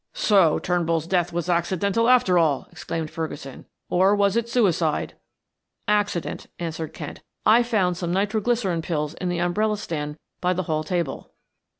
"So Turnbull's death was accidental after all," exclaimed Ferguson. "Or was it suicide?" "Accident," answered Kent. "I found some nitro glycerine pills in the umbrella stand by the hall table."